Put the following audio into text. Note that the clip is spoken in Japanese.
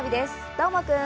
どーもくん！